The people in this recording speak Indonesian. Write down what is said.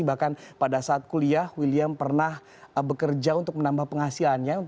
bahkan pada saat kuliah william pernah bekerja untuk menambah penghasilannya